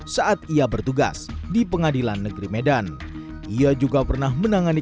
kasus kepemilikan narkoba saat ia bertugas di pengadilan negeri medan ia juga pernah menangani